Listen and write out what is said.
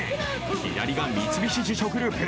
左が三菱地所グループ。